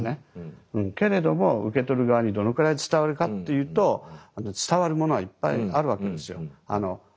けれども受け取る側にどのくらい伝わるかっていうと伝わるものはいっぱいあるわけですよ。